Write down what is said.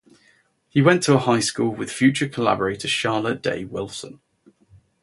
He went to high school with future collaborator Charlotte Day Wilson.